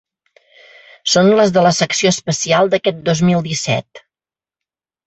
Són les de la secció especial d’aquest dos mil disset.